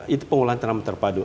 itu pengolahan tanaman terpadu